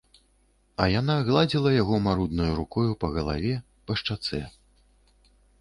А яна гладзіла яго маруднаю рукою па галаве, па шчацэ.